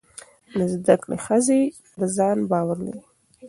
زده کړې ښځې پر ځان باور لري.